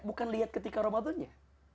bukan lihat ketika ramadannya